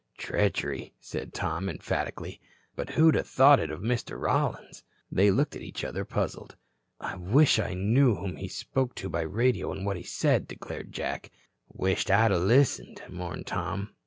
"Treachery," said Tom, emphatically. "But who'da thought it of Mr. Rollins?" They looked at each other puzzled. "I wish I knew whom he spoke to by radio and what he said," declared Jack. "Wish I'da listened," mourned Tom.